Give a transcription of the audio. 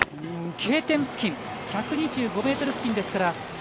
Ｋ点付近１２５ｍ付近ですから。